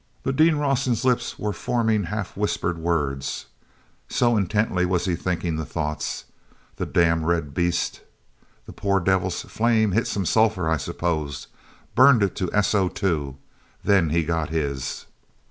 But Dean Rawson's lips were forming half whispered words, so intently was he thinking the thoughts. "The damned red beast! That poor devil's flame hit some sulphur, I suppose—burned it to SO_2—then he got his!"